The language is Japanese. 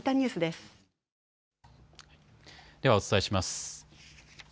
ではお伝えします。